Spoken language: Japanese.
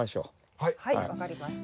はい分かりました。